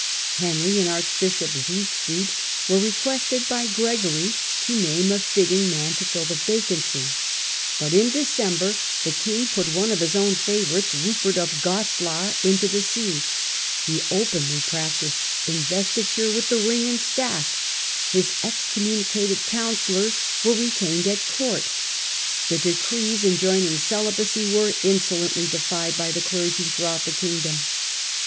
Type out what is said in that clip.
Henry and archbishop Sieg fried were requested by Gregory to name a fitting man to fill the vacancy, but in December the king put one vof his own favourites, Rupert of Goslar, into the see ; ne openly practised investiture with the ring and staff, his excommunicated counsellors were retained at court, the decrees enjoining celibacy were insolently defied by leclergy throughout the kingdom.